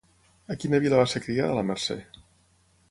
A quina vila va ser criada la Mercè?